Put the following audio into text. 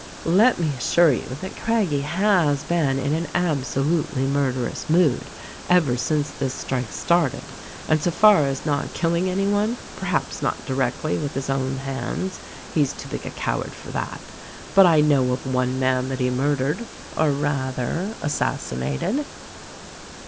"Let me assure you that Craggie has been in an abso lutely murderous mood ever since this strike started ; and so far as not killing any one, perhaps not directly with his own hands — he's too big a coward for that ; but I know of one man that he murdered, or rather, assassinated."